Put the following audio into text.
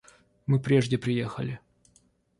Мы прежде приехали.